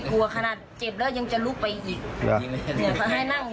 ขนาดเจ็บแล้วยังจะลุกไปอีกเดี๋ยวเขาให้นั่ง